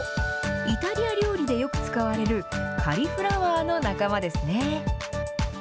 イタリア料理でよく使われる、カリフラワーの仲間ですね。